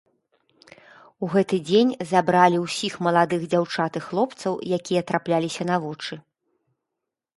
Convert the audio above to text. У гэты дзень забралі ўсіх маладых дзяўчат і хлопцаў, якія трапляліся на вочы.